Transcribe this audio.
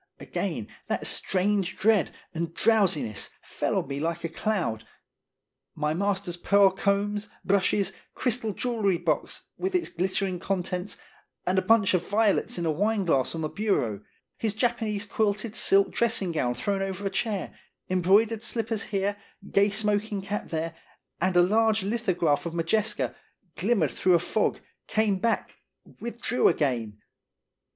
31 Sworn Statement. 221 Again that strange dread and drowsiness fell on me like a cloud. My master's pearl combs, brushes, crystal jewel box, with its glittering contents, and a bunch of violets in a wine glass on the bureau, his Japanese quilted silk dressing gown thrown over a chair, em broidered slippers here, gay smoking cap there, and a large lithograph of Modjeska, glimmered through a fog, came back, with drew again.